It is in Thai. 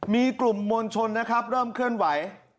มีกลุ่มมวลชนเริ่มเคลื่อนไหว